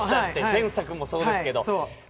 前作もそうですけど。